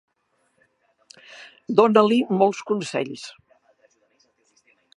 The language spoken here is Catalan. Dona-li molts consells.